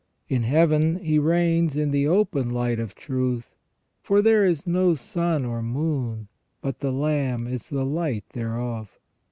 In Heaven He reigns in the open light of truth, for "there is no sun or moon, but the Lamb is the light thereof".